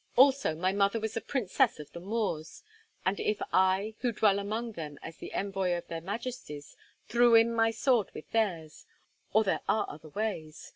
Also, my mother was a princess of the Moors, and if I, who dwell among them as the envoy of their Majesties, threw in my sword with theirs—or there are other ways.